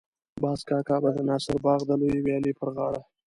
باز کاکا به د ناصر باغ د لویې ويالې پر غاړه.